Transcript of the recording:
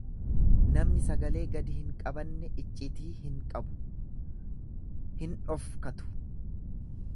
Namni sagalee gadi hin qabanne iccitii hin qabu, hin dhofkatu.